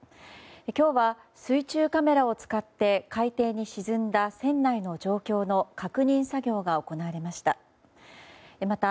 今日は水中カメラを使って海底に沈んだ船内の状況の確認作業が行われました。